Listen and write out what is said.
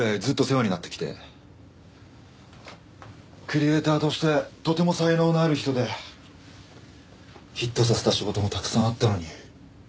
クリエーターとしてとても才能のある人でヒットさせた仕事もたくさんあったのに。